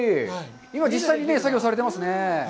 今、実際に作業をされてますね。